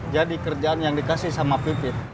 jadi kerjaan yang dikasih sama pipit